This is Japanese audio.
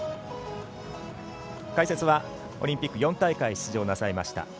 解説はオリンピック４大会出場なさいました